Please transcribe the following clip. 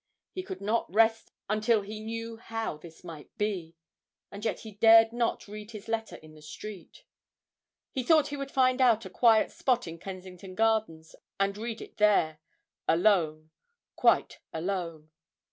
he could not rest until he knew how this might be, and yet he dared not read his letter in the street. He thought he would find out a quiet spot in Kensington Gardens and read it there; alone quite alone.